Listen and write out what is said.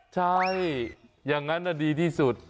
ใช่อย่างนั้นดีที่สุด